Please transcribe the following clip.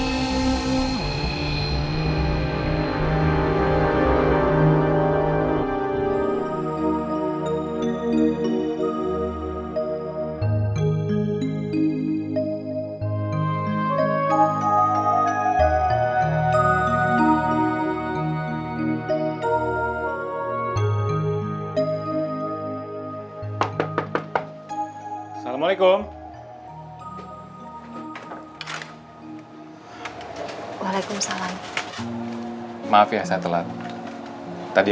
gak boleh di